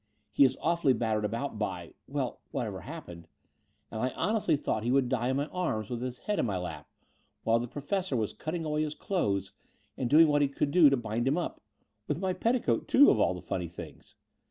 He is awfully battered about by — well, whatever happened: and I honestly thought he would die in my arms with his head in my lap, while the Professor was cutting away his clothes and doing what he could to bind him up — ^with my petticoat, too, of all the funny things